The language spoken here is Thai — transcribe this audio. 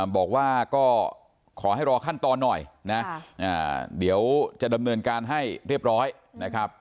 บอกว่าก็ขอให้รอขั้นตอนหน่อยนะเดี๋ยวจะดำเนินการให้เรียบร้อยนะครับ